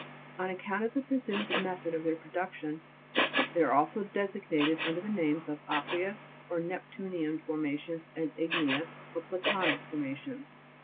On account of the presumed method of their production, they are also designated under the names of Aqueous or Neptunian for mations, and Igneous or Plutonic formations.